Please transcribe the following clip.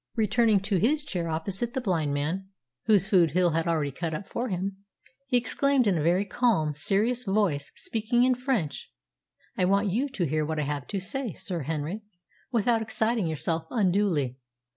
Returning to his chair opposite the blind man (whose food Hill had already cut up for him), he exclaimed in a very calm, serious voice, speaking in French, "I want you to hear what I have to say, Sir Henry, without exciting yourself unduly.